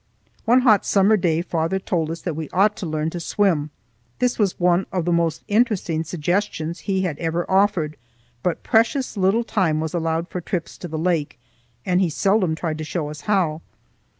One hot summer day father told us that we ought to learn to swim. This was one of the most interesting suggestions he had ever offered, but precious little time was allowed for trips to the lake, and he seldom tried to show us how.